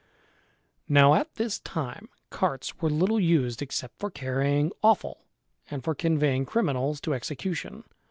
Now at this time carts were little used except for carrying offal and for conveying criminals to execution.